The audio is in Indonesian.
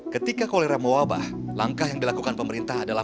ketika kolera mewabah langkah yang dilakukan pemerintah adalah